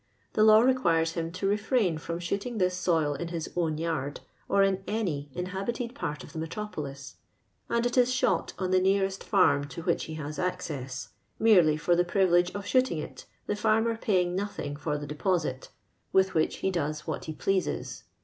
'J'ho law requiro> him to rifrain from shootinfj this soil in his own yard, or in any inhahito.l part of thoinctro]>olis, and it is shot on the n< arest farm to wliioh he has acc« ss, merely for tho prinlogo of shooting it, the former paying nothing for the deposit, with which ho does what ha pleases.